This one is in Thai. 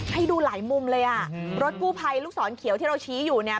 ให้ดูหลายมุมเลยอ่ะรถกู้ภัยลูกศรเขียวที่เราชี้อยู่เนี่ย